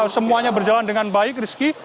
semuanya berjalan dengan baik rizky